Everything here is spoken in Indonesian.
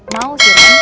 mau sih ren